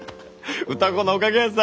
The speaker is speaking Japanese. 歌子のおかげヤサ！